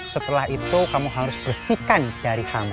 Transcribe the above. setelah itu kamu harus bersihkan dari kamu